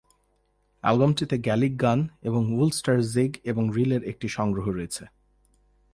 অ্যালবামটিতে Gaelic গান এবং Ulster jig এবং রিলের একটি সংগ্রহ রয়েছে।